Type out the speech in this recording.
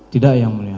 tidak ya mulia